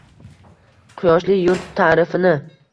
Quyoshli yurt ta’rifini